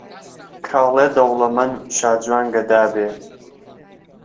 کاڵێ دهوڵهمهن، شاجوان گدا بێ